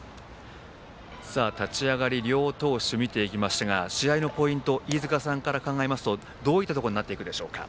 立ち上がり両投手見ていきましたが試合のポイント飯塚さんから考えますとどういったところになってくるでしょうか。